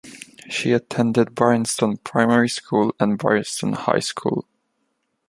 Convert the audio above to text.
She attended Bryanston Primary School and Bryanston High School.